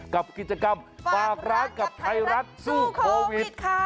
กับกิจกรรมฝากร้านกับไทยรัฐสู้โควิด